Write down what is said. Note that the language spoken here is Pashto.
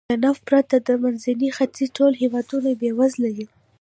له نفت پرته د منځني ختیځ ټول هېوادونه بېوزله دي.